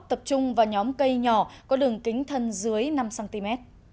tập trung vào nhóm cây nhỏ có đường kính thân dưới năm cm